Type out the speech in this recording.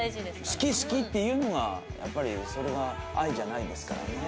好き好きっていうのがやっぱりそれが愛じゃないですからね。